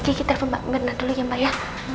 nanti kiki telfon mbak mirna dulu ya mbak ya